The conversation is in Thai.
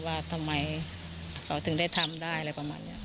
ว่าทำไมเขาถึงได้ทำได้อะไรประมาณนี้